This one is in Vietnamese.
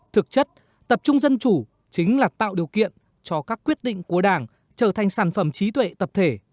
thực chất tập trung dân chủ chính là tạo điều kiện cho các quyết định của đảng trở thành sản phẩm trí tuệ tập thể